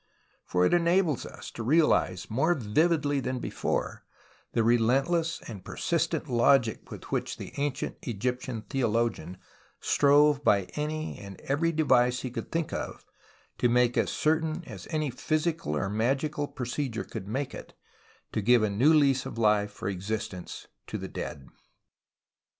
For it enables us to realize more vividly than before tlie relentless and persistent logic with which the ancient Egyptian theologian strove by any and every device he could think of, to make as certain as any physical or magical procedure could make it, to give a new lease of life or existence to the dead.